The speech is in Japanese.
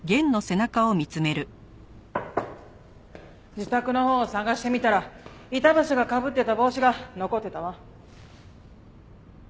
自宅のほうを捜してみたら板橋がかぶってた帽子が残ってたわ。